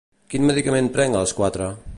Quin medicament prenc a les quatre?